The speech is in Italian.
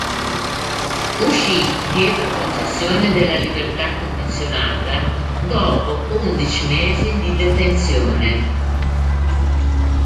Uscì dietro concessione della libertà condizionata dopo undici mesi di detenzione.